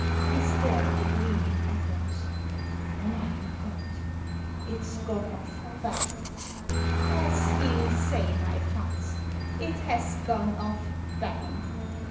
He stared at the gleaming atoms. " Mein Gott ! It's gone off bang !" "As you say, my Fungst, it has gone off bang.